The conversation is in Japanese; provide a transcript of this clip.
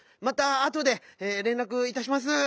またあとでれんらくいたします。